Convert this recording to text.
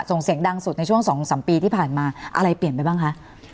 ส่งเสียงดังสุดในช่วงสองสามปีที่ผ่านมาอะไรเปลี่ยนไปบ้างคะ